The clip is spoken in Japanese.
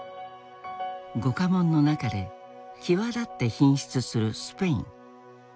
御下問の中で際立って頻出するスペイン。